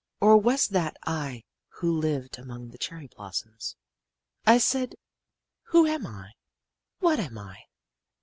or was that I who lived among the cherry blossoms? I said, Who am I? What am I?